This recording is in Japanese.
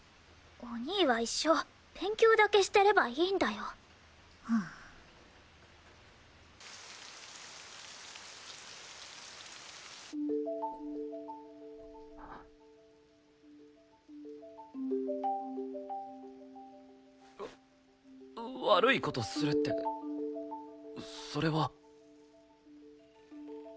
お兄は一生勉強だけしてればいいんだよ。わ悪い事するってそれは。